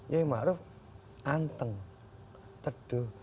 yayu ma'ruf anteng teduh